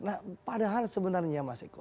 nah padahal sebenarnya mas eko